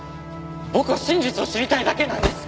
僕は真実を知りたいだけなんです！